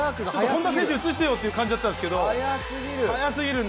本多選手を映してよって感じだったんですけど。